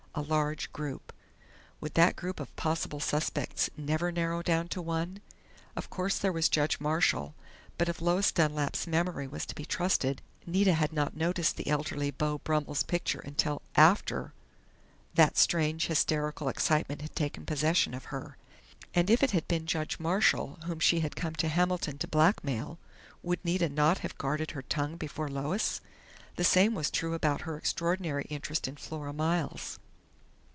A large group! Would that group of possible suspects never narrow down to one? Of course there was Judge Marshall, but if Lois Dunlap's memory was to be trusted Nita had not noticed the elderly Beau Brummel's picture until after that strange, hysterical excitement had taken possession of her. And if it had been Judge Marshall whom she had come to Hamilton to blackmail would Nita not have guarded her tongue before Lois? The same was true about her extraordinary interest in Flora Miles....